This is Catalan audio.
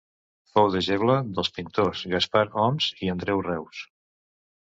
Fou deixeble dels pintors Gaspar Homs i Andreu Reus.